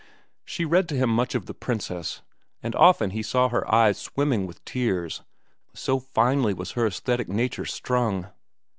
She read to him much from "The Princess," and often he saw her eyes swimming with tears, so finely was her aesthetic nature strung.